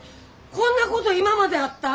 こんなこと今まであった？